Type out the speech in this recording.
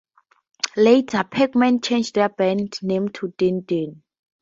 Later, Pac Man changed their band name to "Din-Din".